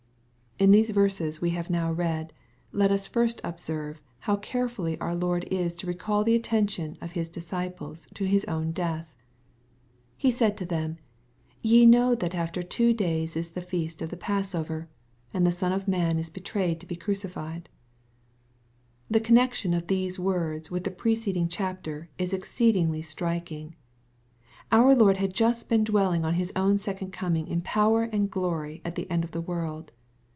In these verses we have now read, let us first observe how careful our Lord is to recall the attention of His discir pies to His own death. He said to them, " Te know that after two days is the feast of the passover, and the Sou of Man is betrayed to be crucified." The connexion of these words with the preceding chapter is exceedingly striking. Our Lord had just been dwelling on His own second coming in power and glory at the end of the world.